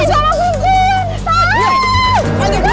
sabar ya anak anakku